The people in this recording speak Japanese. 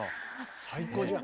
最高じゃん。